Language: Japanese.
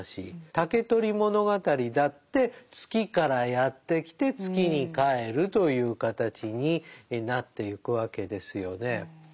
「竹取物語」だって月からやって来て月に帰るという形になってゆくわけですよね。